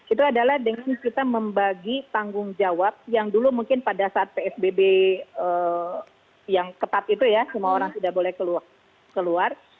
itu adalah dengan kita membagi tanggung jawab yang dulu mungkin pada saat psbb yang ketat itu ya semua orang tidak boleh keluar